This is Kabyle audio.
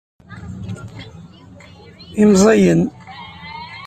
Imẓiyen.